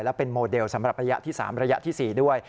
และเป็นโมเดลสำหรับระยะที่๓ระยะที่๔ด้วย